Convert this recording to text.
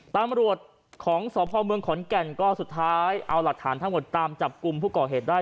ตำรวจของสพเมืองขอนแก่นก็สุดท้ายเอาหลักฐานทั้งหมดตามจับกลุ่มผู้ก่อเหตุได้